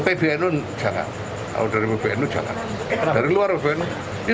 pbnu jangan dari pbnu jangan dari luar pbnu